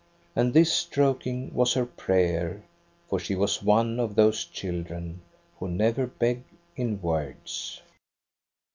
And this stroking was her prayer, for she was one of those children who never beg in words.